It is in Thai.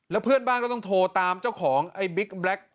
เพื่อนบ้านก็ต้องโทรตามเจ้าของไอ้บิ๊กแบล็ค